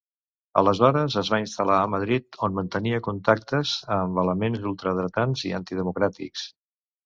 Aleshores es va instal·lar a Madrid, on mantenia contactes amb elements ultradretans i antidemocràtics.